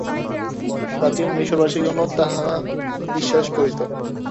প্রাচীন মিশরবাসিগণও তাহাই বিশ্বাস করিত।